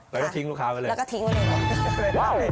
แล้วก็ทิ้งลูกค้ากันเลยแล้วก็ทิ้งกันเลยแล้วก็ทิ้งกันเลย